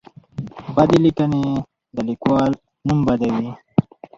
بدې لیکنې د لیکوال نوم بدوي.